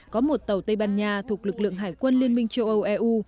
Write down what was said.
có một tàu tây ban nha thuộc lực lượng hải quân liên minh châu âu eu